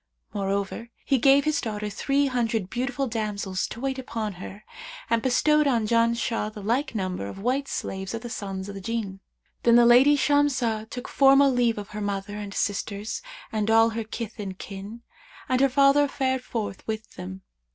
Moreover, he gave his daughter three hundred beautiful damsels to wait upon her and bestowed on Janshah the like number of white slaves of the sons of the Jinn. Then the lady Shamsah took formal leave of her mother and sisters and all her kith and kin; and her father fared forth with them.